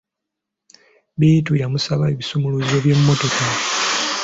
Bittu yamusaba ebisumuluzo by'emmotoka.